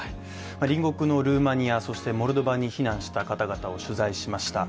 隣国のルーマニア、そしてモルドバに避難した方々を取材しました。